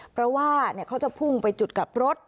เพราะว่าเขาจะพุ่งไปจุดกลับรถ